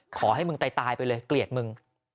ขอให้มึงตายไปเลยเกลียดมึง